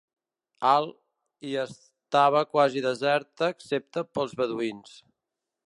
Al i estava quasi deserta excepte pels beduïns.